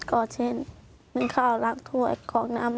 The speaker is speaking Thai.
ก็เช่นนึกข้าวล้างถ้วยกรอกน้ำ